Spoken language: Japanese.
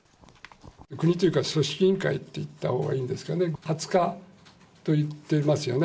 国というか組織委員会って言ったほうがいいんですかね、２０日と言っていますよね。